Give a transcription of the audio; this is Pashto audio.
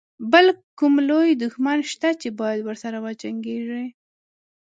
بل کوم لوی دښمن شته چې باید ورسره وجنګيږي.